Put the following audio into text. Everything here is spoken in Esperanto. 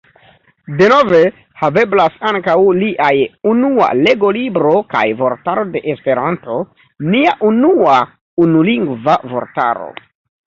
Denove haveblas ankaŭ liaj Unua legolibro kaj Vortaro de Esperanto, nia unua unulingva vortaro.